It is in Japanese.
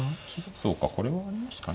そうかこれはありますかね。